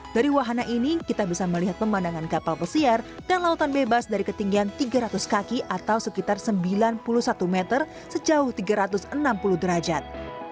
dari wahana ini kita bisa melihat pemandangan kapal pesiar dan lautan bebas dari ketinggian tiga ratus kaki atau sekitar sembilan puluh satu meter sejauh tiga ratus enam puluh derajat